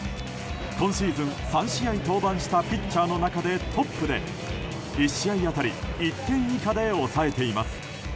今シーズン、３試合登板したピッチャーの中でトップで１試合当たり１点以下で抑えています。